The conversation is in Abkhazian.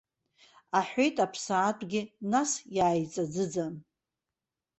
Аҳәеит аԥсаатәгьы, нас иааиҵаӡыӡан.